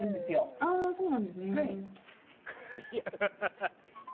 あー、そうなんですね。